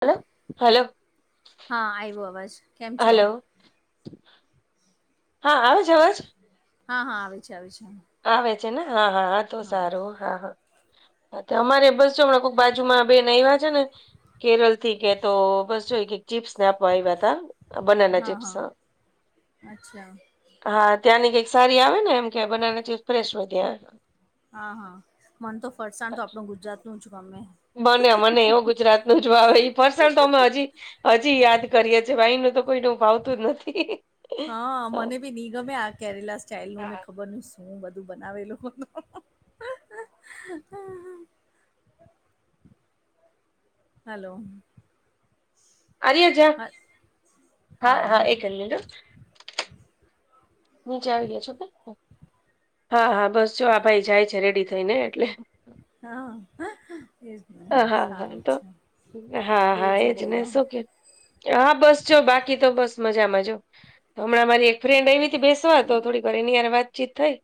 Hello hello. હા આઈવો અવાજ કેમ છો? હલો હા આવે છે અવાજ. હા હા આવે છે આવે છે. આવે છે ને હા હા તો સારું હા હા. હા અમારે બસ હમણાં કોઈક બાજુમાં બેને આયવા છે. ને- કેરલ થી કે તો બસ જો ક ચીપ્સ ને આપવા આયવા હતા. બનાના હા ચિપ્સ હ. હા અચ્છા હા ત્યાંની કંઈક સારી આવે ને એમ કે બનાના ચીપ્સ ફ્રેશ ત્યા. હા હા મન તો ફરસાણ તો આપણું ગુજરાત નું જ ગમે. મને મને એવો ગુજરાત નું જ ભાવે ફરસાણ તો અમે હજી- હજી યાદ કરીએ છીએ આઈ નું તો કોઈને ભાવતું જ નથી. હા મને બી ની ગમે આ કેરેલા સ્ટાઇલ નુંને ખબર ની શું? હું બધું બનાવેલું- હલો. આજેજ હા હા હા એક [unintelligible] નીચે આવી ગ્યા છો કે. હા હા બસ જો આ ભાઈ જાય છે રેડી થઈને એટલે. હા એજ હા હા હા, સારું તો છે હા હા બીજુ એજ ને બોલો. શું કે હા બસ જો બાકી તો બસ મજામાંજો હમણાં મારી એક. ફ્રેન્ડ આવી. તી બેસવા તો થોડી વાર એની હારે વાતચીત થઈ.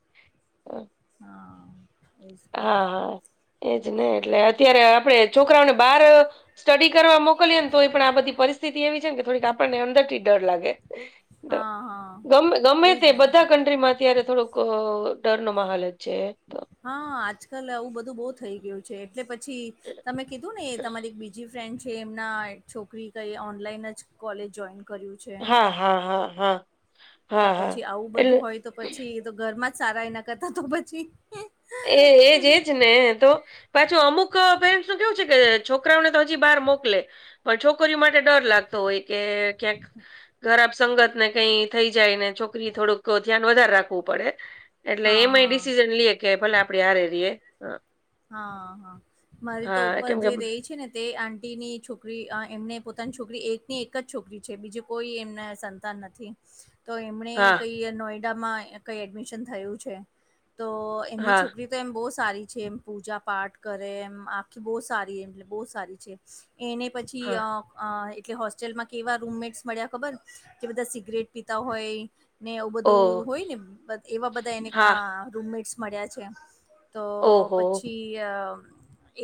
એસ હા હા [inaudible] એજ ને એટલે અત્યારે આપડે છોકરાઓને બહાર સ્ટડી કરવા મોકલીએ ને તો એ પણ આ બધી પરિસ્થિતિ એવી છે કે થોડીક આપણને અંદર થી ડર લાગે. તો હા હ. ગમે ગમે તે બધા કન્ટ્રીમાં અત્યારે થોડોક ડર નો માહોલ જ છે. હા આજકાલ આવું બધું બો થઈ ગયું છે, એટલે પછી તમે કીધું ને તમારી એક બીજી ફ્રેન્ડ છે, એમના છોકરી કઈ ઓનલાઈન જ કોલેજ જોઈન કર્યું છે હા હા હા હા. તો હા હા પછી આવું એટલે બધું હોય તો પછી તો ઘરમાં જ સારા એ ના કરતા તો પછી. એ એ એજ ને તો. પાછો અમુક પેરેન્ટસ નું કેવું છે કે છોકરાઓને તો હજી બહાર મોકલે. પણ છોકરીઓ માટે ડર લાગતો હોય કે ક્યાંક- ખરાબ સંગત ને કઈ થઈ જાય ને છોકરી થોડુંક ધ્યાન વધારે રાખવું પડે. એટલે હા એમાંય હા ડિસિઝન લીએે કે ભલે આપડે હારે રીએ હ હા હા મારી તો હા, ઉપર કેમ કે જે રેય છે, ને તે આટીની છોકરી અ એમને પોતાની છોકરી એકની એક જ છોકરી છે, બીજે કોઈ એમના સંતાન ન થી તો એમણે હા કઈ નોઈડામાં કઈ એડમિશન થયું છે, તો એમની હા છોકરી તો એમ બો સારી છે, એમ પૂજા પાઠ કરે એમ આખી બો સારી એમ બો સારી છે. એને પછી હા અ અ એટલે હોસ્ટેલમાં કેવા રૂમમેટ્સ મળ્યા ખબર કે બધા સિગરેટ પીતા હોય ને એ ઓ બધું હોય ને એવા બધા એને હા આ રૂમમેટ્સ મળ્યા છે. તો ઓહો પછી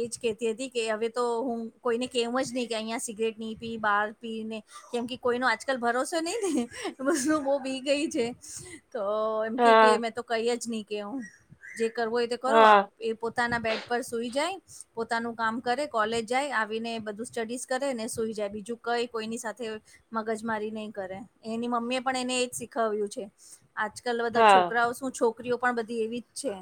એજ કેતી હતી કે હવે તો હું કોઈને કેવું જ નહી કે અહીંયા સિગરેટ ની પી બહાર પી ને કેમ કે કોઈનો આજકાલ ભરોસો નહી ને બસ બો બી ગઈ છે. તો એમ કે કે હા મેં તો કઈ જ નહી કે હું જે કરવું હોય તે કરો હા એ પો તાના બેડ પર સુઈ જાય પોતાનું કામ કરે કોલેજ જાય આવીને બધું સ્ટડીઝ કરે ને સુઈ જાય બીજું કઈ કોઈની સાથે મગજમારી નહી કરે એની મમ્મી એ પણ એને એજ શીખવ્યું છે. આજકાલ બધા હા છોકરાઓ શું છોકરીઓ પણ બધી એવી જ છે.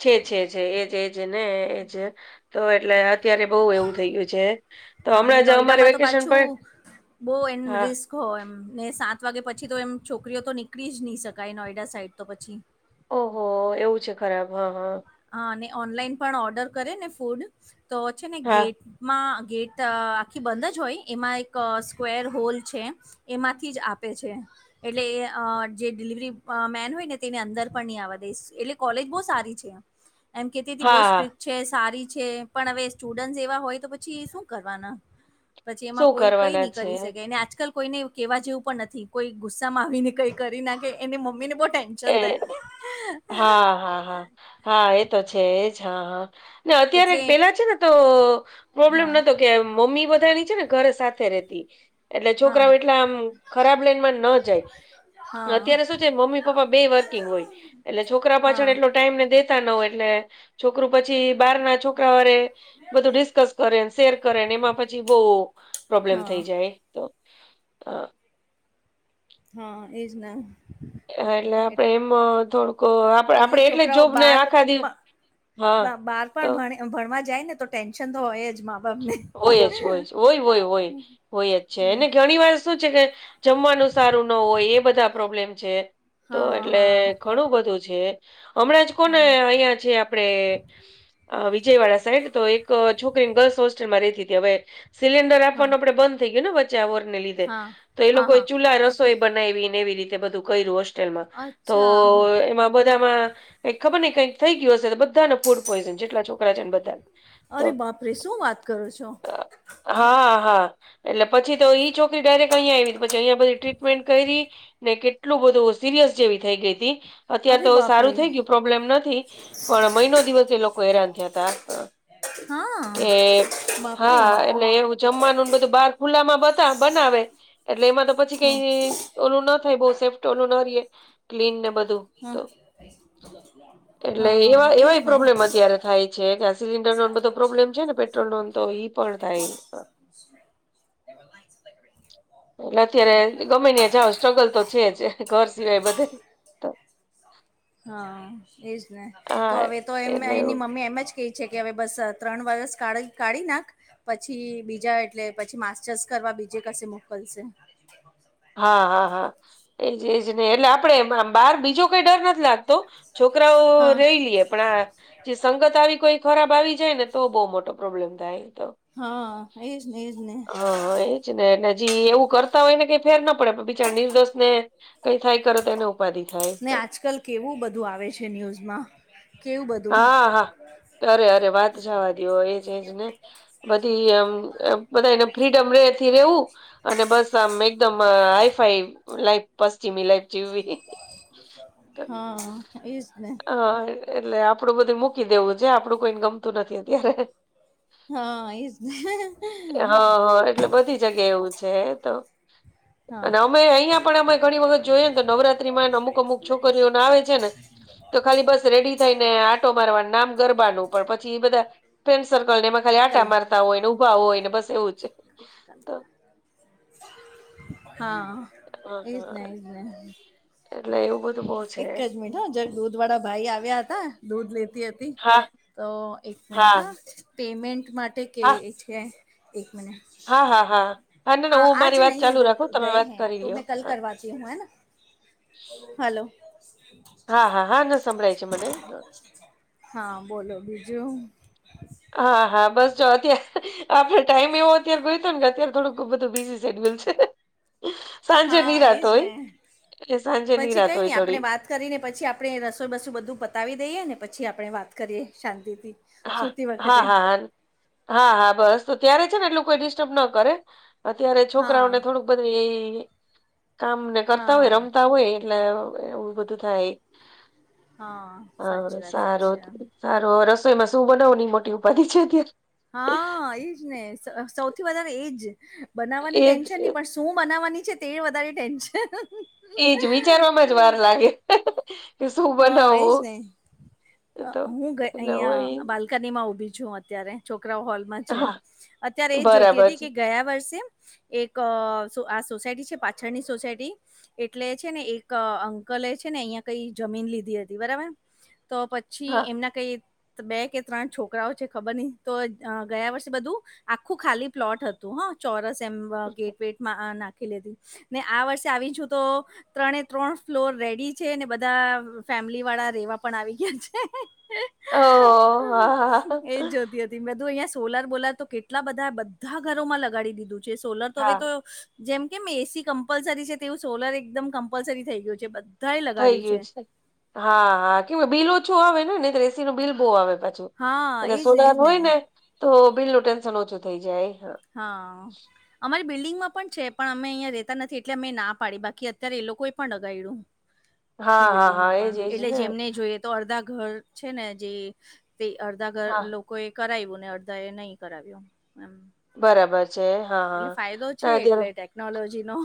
છે છે છે એજ એજ ને એજ તો એટલે અત્યારે બોવ એવું થઇ ગયું છે. તો હા ને હમણાં જ અમારે નોઈડામાં તો વેકેશન પણ પાછું બો એન હા રિસ ખો એમ ને સાત વાગે પછી તો એમ છોકરીઓ તો નીકળી જ ની શકાય નોયડા સાઈડ તો પછી ઓહો એવું છે, ખરાબ હા હા હા અને ઓનલાઈન પણ ઓર્ડર કરે ને ફૂડ તો છે, ને હા ગેટમાં ગે ટ આખી બંધ જ હોય એમાં એક સ્ક્વેર હોલ છે, એમાંથી જ આપે છે. એટલે એ અ જે ડિલિવરી મેન હોય ને તેને અંદર પણ ની આવહવા દેય એટલે કોલેજ બો સારી છે. એમ કેતીથી હા બૈ હા સ્ટ્રિક છે, સારી છે, પણ હવે સ્ટુડ એવા હોય તો પછી શું કરવાના પછી એમાં શું કોઈ કઈ કરવાના ની છે કરી શકે એ આજકાલ કોઈને કેવા જેવું પણ નથી કોઈ ગુસ્સામાં આવીને કઈ કરી નાખે એને મમ્મી ને બો એ ટેન્શન થાય હા હા હા. હા એ તો છે, એજ હા હા ને અત્યારે એટલે પેલા છે, ને તો પ્રોબ્લેમ હા નતો કે મમ્મી બધાની છે, ને ઘર સાથે રેતી એટલે હા છોકરાઓ એટલા આમ ખરાબ લઈનમાં ન હા જાય અત્યારે શું છે, મમ્મી પપ્પા બે વર્કિંગ હોય એટલે છોકરા હા પાછળ એટલો ટાઈમ ને દેતા ન હોય એટલે છોકરું પછી બારના છોકરા વરે બધું ડિસ્કસ કરે શેર કરેને એમાં પછી બો પ્રોબ્લેમ હા થઈ જાય તો આ હા એજ ના એમ એટલે આપડે એમ થોડુંક કો આપ આપડે એટલે છોકરાઓ જોબને બાર આખા દિવ હા તો એમ ભણવા જાય ને તો ટેન્શન તો હોય જ મા. બાપને હોય જ હોય હોય હોય હોય હોય જ છે એને ઘણી વાર શું છે કે. જમવાનું સારું ન હોય એ બધા પ્રોબ્લેમ છે તો હા એટલે હા ઘણું બધું છે. હમણાં જ કોને હા અહિયાં છે્ આપણે અ વિજય વાળા સાઈડ તો એક છોકરી ગર્લ્સ હોસ્ટેલમાં રેતી હતી હવે. સિલિન્ડર હા આપવાનું આપડ બંધ થઈ ગયું ને વચ્ચે વર ને લીધે તો એ હા હા લોકો હા ચૂલ્લા ર તોય બનાયવી ને એવી રીતે બધું કર્યું હોસ્ટેલમાં તો અચ્છા એમાં બધામાં કઈ ખબર નઈ કઈક થઈ ગય હશે [unintelligible] ધાને ફૂડ પોઈઝન જેટલા છોકરા છે, ને બધા તો [unintelligible] શું વાત કરો છો? હા હા હા એટલે પછી તો ઈ ચો ડાયરેક્ટ અહીંયા આયવી પછી અહીંયા પહી ટીરીકમેન્ટ કયરી ને કેટલું બધું સિરિયસ જેવી થઈ ગઈ તી અત્યાર અરે તો બાપરે સારું થઈ ગયું પ્રોબ્લેમ નથી. પણ મહિનો દિવસે એ લોકો હેરાન થયા તા. હા. બાપરે હા એટલે એવું જમવાનું બધું બાર ખુલ્લા માં બતા બનાવે. એટલે એમાં તો પછી કઈ હમ ઓલું ન થાય બઉ સેફ ઓલું ના રયે ક્લીન ને બધું. હા તો એટલે એવા હા ઇજ એવાય ને. પ્રોબ્લેમ અત્યારે થાય છે ગૈસ સિલિન્ડર નો બધો પ્રોબ્લેમ છે ને પેટ્રોલ નો તો ઈ પણ થાય. [unintelligible] એટલે અત્યારે ગમે ત્યાં જાઓ સ્ટ્રગલ તો છે જ ઘર સિવાય બધે. તો હા એજ ને તો હા હવે તો એમ એટલે એની એવું મમ્મી એમ જ. કે છે કે હવે બસ ત્રણ વર્ષ કાઢી કાઢી નાખ. પછી બીજા એટલે પછી માસ્ટર્સ કરવા બીજે કશે મોકલશે. હા હા હા એજ એજ ને એટલે આપડે એમ આમ. બાર બીજો કઈ ડર નથી લાગતો છોકરાઓ હા રહી લઈએ પણ આ જે સંગત આવી કોઈ. ખરાબ આવી જાય ને તો બહુ મોટો પ્રોબ્લેમ થાય તો. હા એજ ને એજ ને. હા એજને જી એવું કરતા હોય ને કે. ફેર ના પડે બીચાર નિર્દોષ ને કઈ થાય કરે તો એનો. ને આજકાલ કેવું બધું આવે છે ન્યૂઝમાં કેવું બધું. હા હા અરે અરે વાત જવા દયો એજ એજ ને. બધી એમ બધા એને ફ્રીડમ રેથી રેવું. અને બસ આમ એકદમ હાઈ ફાઈ લાઈફ પશ્ચિમી લાઈફ. જીવવી હા ઇજ ને. હા એટલે આપડું બધું મૂકી દેવું છે આપડું કોઈને ગમતું નથી અત્યારે હા એજ ને હા હા એટલે બધી જગ્યા એવું છે એતો. [unintelligible] હા અને અમે અહીંયા પણ અમે ઘણી વખત જોયએ ને તો નવરાત્રીમાં અમુક અમુક છોકરીઓને આવે છે ને. તો ખાલી બસ રેડી થઈ ને આટો મારવાનું નામ ગરબાનું પણ પછી ઇ બધા. ફ્રેન્ડ સર્કલ ને એમાં ખાલી કલ આટા મારતા હોય ને ઉભા હોયને બસ એવું છે. હા હા હા ઇજ હા ને ઇજ ને. એટલે એવું બધું બહુ છે એક જ મિનટ હ જરાક દૂધ વાળા ભાઈ આવ્યા હતા દૂધ લેતી હતી. હા તો એક મિનિટ હા પેમેન્ટ માટે કે હા છે એક મિનિટ. હા હા હા હા ના ના આ હું આજ મારી વાત નહી હૈ ચાલુ વો રાખું તમે ગયે વાત હૈ કરી તો લ્યો મેં કલ હા કરવાતી હું હેના! હલો. હા હા હા ના સંભળાય છે મને. હા બોલો બીજું. હા હા બસ જાઓ. આપડો ટાઈમ એવો અત્યારે ગોતો ને અત્યારે થોડુંક બધું બીઝી સેડ્યુલ છે. સાંજે હા નીરાત એજ ને હોય એ સાંજે પછી નીરાત કઈ નહી હોય આપણે થોડી. વાત કરીને પછી આપણે રસોઈ બસોય બધું પતાવી દઈએ ને પછી આપણે વાત કરીએ શાંતિથી. હા સુતી હા વખતે હા હા હા હા બસ તો ત્યારે છે ને એટલું કોઈ ડિસ્ટર્બ ન કરે. અત્યારે છોકરાઓને હા થોડુંક બધી કામ ને કરતા હોય, હા રમતા હોય એટલે એવું બધું થાય. હા હા સાચી વાત સારું સાચી વાત સારું રસોઈમાં શું બનાવવાની મોટી ઉપાધિ છે અત્યારે. હા એજ ને સો સૌથી વધારે એજ બનાવવાની એજ ટેન્શન નહી પણ શું બનાવવાની છે તે વધારે ટેન્શન. એજ વિચારવામાં જ વાર લાગે. કે શું હ એજ બનાવવું ને તો હું એટલે હોય અહીંયા બાલ. કની માં ઉભી છું અત્યારે છોકરાઓ હોલમાં છે હા અત્યારે એજ જોતી બરાબર હતી છે કે ગયા વર્ષે. એક અ આ સોસાયટી છે પાછળ ની સોસાયટી એટલે છે ને એક અંકલ એ છે ને અહિયાં કઈ જમીન લીધી હતી બરાબર તો પછી હા એમના કઈ બે કે ત્રણ છોકરાઓ છે ખબર ની તો ગયા વર્ષે બધું આખું ખાલી પ્લોટ હતું. હતું ચોરસ એમ ગેટ વેટ મા આમ નાખ નાખેલુ હતું ને આ વર્ષે આવી છું તો ત્રણે ત્રણ ફ્લોર રેડી છેને બધ બધા ફેમિલી વાળા રેવા પણ આવી ગયા છે. ઓ હા હા. ને બધું અહિયાં સોલર બોલાર તો કેટલા બધા બધા ઘરોમાં લગાડી દીધું છે સોલર તો હવે હા તો જેમ કેમ એસી કમ્પલસરી છે તેવું સોલર એકદમ કમ્પલસરી થઈ ગયું છે બધ થઈ ગયું છે. હા હા કે બિલ ઓછું આવે ને ને તો એસી નું બિલ બો આવે. હા એજ સોલાર એજ હોય ને તો બિલ નું ટેન્શન ઓછું થઈ જાય. હા હા. અમારી બિલ્ડિંગમાં પણ છે પણ અમે અહીંયા રહેેતા નથી એટલે અમે ના પાડી બાકી અત્યારે એ લોકોએ પણ લગાડ્યું. [inaudible] હા હા બિલ્ડિંગમાં એજ પણ એજ એટલે ને જેમને જોયે તો અર્ધા ઘર છે ને જે તે અર્ધા ઘર હા લોક કોઈ એ કરાવ્યું ને અડધા એ નય કરાવ્યું એમ. બરાબર છે. હા એટલે હા. ફાયદો છે ના એટલે અત્યારે ટેકનોલોજી નો.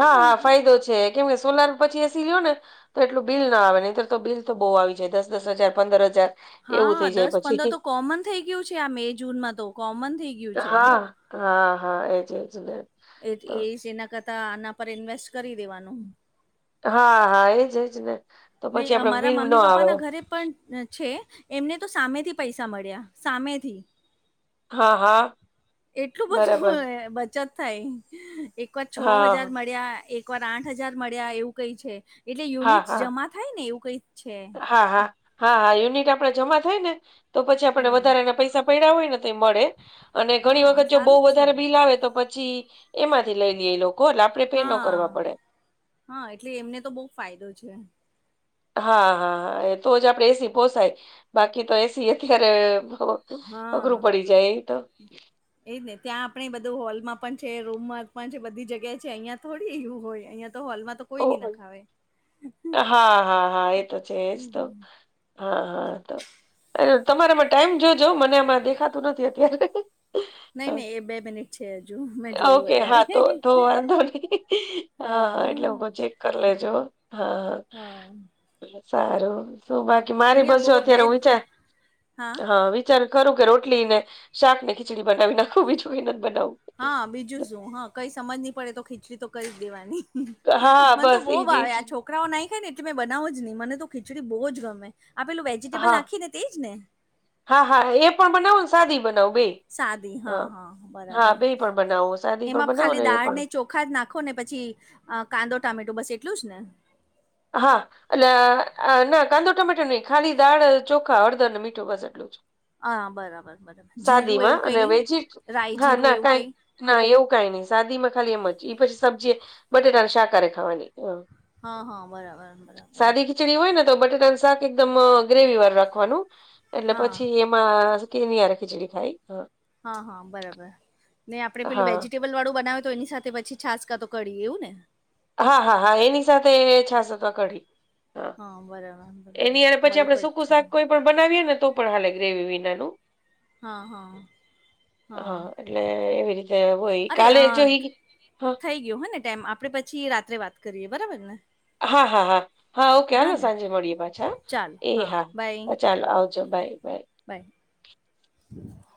હા હા ફાયદો છે કેમ કે સોલાર પછી એસી લ્યો ને તો એટલું બિલ ના આવે નહીતર તો બિલ તો બો આવી જાય દસ દસ હજાર, પંદર હજાર. એવું હા થઈ જાય દસ પછી પંદર તો કોમન થઇ ગયું છે. આ મે, જૂનમાં તો કોમન થઇ ગયું છે. હા હા હા એજ એજ ને. એ તો એ એના કરતા આના પર ઇન્વેસ્ટ કરી દેવાનું. હા હા એ જ એજ ને. તો ની પછી આપડે અમારા બિલ ન મમ્મી પપ્પા આવે ના ઘરે પણ. છે એમને તો સામેથી પૈસા મળ્યા, સામેથી. હા હા. એટલું બરાબર બધું બચત થાય એક વાર છ હજાર હા, મળ્યા એક એક વાર આઠ હજાર મળ્યા એવું કઈ છે એટલે હા, યુનિટ્સ હા, જમા થાય ને એવું કઈ છે. હા હા હા હા યુનિટ આપણેે જમા થાય ને તો પછી આપણે હા વધારે ના પૈસા પડ્યા હોય ને. એ મળે અને ઘણી હા વખત જો બો સારું જ છે વધારે બિલ આવે તો પછી એમાંથી લઈ લે એ લોકો. એટલે આપણે પે ન કરવા હા પડે. હા એટલે એમને તો બો ફાયદો છે. હા હા હા તો જ આપણેે એસી પોસાઈ. બાકી તો એસી અત્યારે અઘરું પડી જાય ઈ તો. એ જ ને ત્યાં આપણેે બધું હોલમાં પણ છે. રૂમ માં પણ છે બધી જગ્યાએ છે અહિયાં થોડી એવું હોય અહિયાં. તો હોલ માં તો. ઓ કોઈ નઈ નખાવે હા હા હા એ તો છે એજ તો. હા હા તમારા માં ટાઈમ જોજો મને આમાં દેખાતું નથી એટલે. નઈ નઈ એ બે મિનિટ છે હજુ મેં જોયું ઓકે અત્યારે હા તો થ વાંદો ની- હા એટલેવ- ચેક કરી લેજો હા હા સારું શું કરે? મારી અહિયાં બસો બહ બે અત્યારે હું વિચાર હા. ચલ ખરું કે રોટલી ને શાક ને ખીચડી બનાવી નાખું બીજું કય નથ બનાવું. હા બીજું શું. હા કઈ સમજ નય પડે તો ખીચડી તો કરી દેવાની. હા મને તો બસ બો એજ ભાવે એજ આ છોક છોકરાઓ નય ખાય ને એટલે મે બનાવુ જ નય. મને તો ખીચડી બો જ ગમે. આ પેલું વેજીિટેબલ હા નાખી ને તે જ ને. હા હા એ પણ બનાવુ ને સાદી બનાવું બે. સાદી હા હા હા બરાબર બે પણ બનાવો સાદી પણ એમાં બનાવો ખાલી એ દાળ પણ ને ચો ઓખાદ નાખો ને પછી કાંદો ટામેટો બસ એટલું જ ને. હા. એટલે ના કાંદો ટમેટર નઈ ખાલી દાળ ચોખા હળદર અને મીઠું બસ એટલું. હા બરાબર બરાબર જીરું સાદીમાં એવું અને કઈ વેજી રાય હા જીરું ના એવું કઈ. ના એવું કઈ નઈ. સાદીમાં ખાલી એમ જ પછી સબ્જી બટેટા ને શાકારે ખાવાની હ હો બરોબર. સાદી ખીચડી હોય ને તો બટાટાનું શાક એકદમ ગ્રેવી વારૂ રાખવાનું એટલે હા પછી- મા કેની હારે ખિચડી ખાઈહ- હ હ બરાબર ને આપડે પેલું હા વેજીિટેબ ટેબલ વાળું બનાવે તો એની સાથે પછી છાશ કા તો કડી એવું ને? હા હા હા એની સાથે છાસ અથવા કઢી. હા. એની હારે પછી મારી આપડે પર- સૂકું શાક કોઈ પણ બનાવીએ ને તો પણ હાલે ગ્રેવી વિનાનું. હા હા હા એટલે એવી રીતે- હોય કાલેજો ઈ હ- યો હ ને ટાઈમ આપડે પછી રાત્રે વાત કરીએ બરાબર ને- હા હા હા હા ઓકે હાલ સાંજે મળીએ પાછા- ચાલો એ બાય હા ચાલો આવજો બાય બાય- બાય [inaudible]